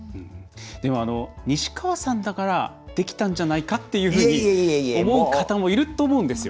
でも、西川さんだからできたんじゃないかっていうふうに思う方もいると思うんですよ。